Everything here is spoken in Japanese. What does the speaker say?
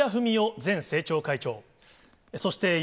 前政調会長、そして世